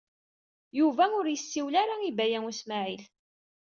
Yuba ur yessiwel ara i Baya U Smaɛil.